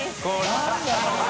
何だろうな？